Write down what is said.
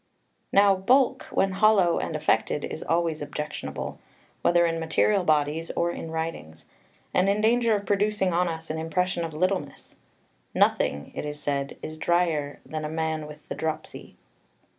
4 Now bulk, when hollow and affected, is always objectionable, whether in material bodies or in writings, and in danger of producing on us an impression of littleness: "nothing," it is said, "is drier than a man with the dropsy."